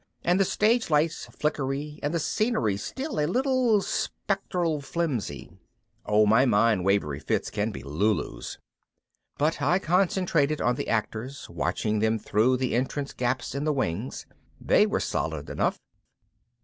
and the stage lights flickery and the scenery still a little spectral flimsy. Oh, my mind wavery fits can be lulus! But I concentrated on the actors, watching them through the entrance gaps in the wings. They were solid enough.